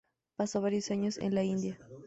Pasó varios años en la India.